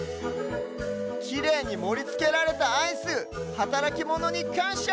きれいにもりつけられたアイスはたらきモノにかんしゃ！